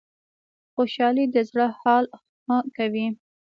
خوشحالي د زړه حال ښه کوي